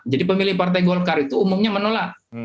jadi pemilih partai golkar itu umumnya menolak